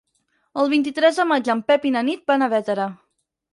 El vint-i-tres de maig en Pep i na Nit van a Bétera.